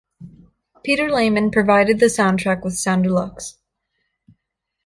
Peter Lehman provided the soundtrack with Soundelux.